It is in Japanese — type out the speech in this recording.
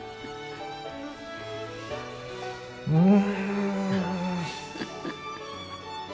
うん！